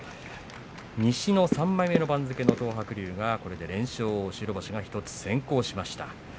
西の３枚目の番付の東白龍がこれで連勝白星が１つ先行しました。